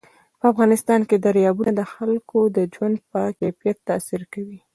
په افغانستان کې دریابونه د خلکو د ژوند په کیفیت تاثیر کوي.